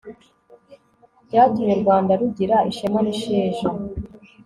byatumye u rwanda rugira ishema n'isheja